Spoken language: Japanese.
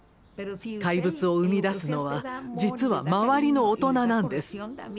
怪物を生み出すのは実は周りの大人なんです。